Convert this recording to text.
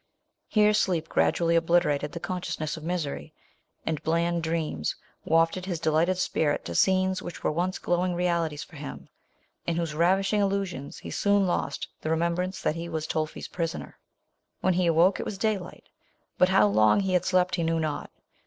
Here sleep gradually obliterated the consciousness of misery, and bland dreams wafted his delighted spirit to scenes which were once glowing realities for him, in whose ravishing illusions he soon lost the remem brance that he was Tolfi's prisoner. When he awoke, it was daylight ; but how long he had slept he knew not.